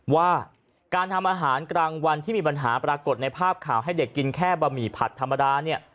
ว่าการทำอาหารกลางวันที่มีปัญหาปรากฏในภาพข่าวให้เด็กกินแค่บะหมี่ผัดธรรมดาเนี่ย